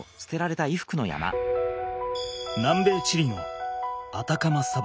南米・チリのアタカマ砂漠。